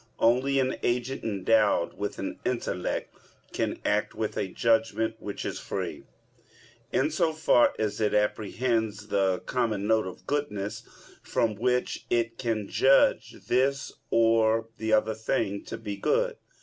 Only an agent endowed with an intellect can act with a judgment which is free, in so far as it apprehends the common note of goodness; from which it can judge this or the other thing to be good.